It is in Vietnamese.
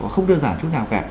không đơn giản chút nào cả